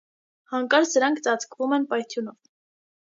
Հանկարծ դրանք ծածկվում են պայթյունով։